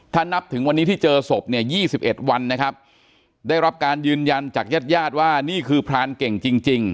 ถ้านับถึงวันนี้ที่เจอศพเนี่ย๒๑วันนะครับได้รับการยืนยันจากญาติญาติว่านี่คือพรานเก่งจริง